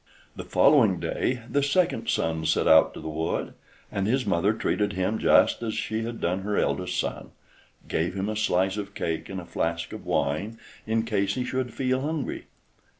The following day the second son set out to the wood, and his mother treated him just as she had done her eldest son gave him a slice of cake and a flask of wine, in case he should feel hungry.